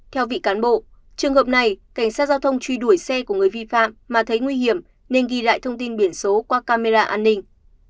theo vị cán bộ trường hợp này cảnh sát giao thông truy đuổi xe của người vi phạm mà thấy nguy hiểm nên ghi lại thông tin biển số qua camera an ninh